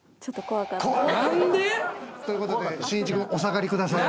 何で！？ということでしんいち君お下がりください。